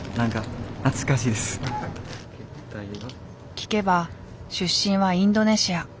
聞けば出身はインドネシア。